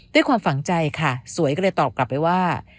ด้วยความฝังใจค่ะสวยก็เลยตอบกลับไปว่า